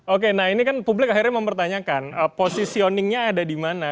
oke nah ini kan publik akhirnya mempertanyakan positioningnya ada di mana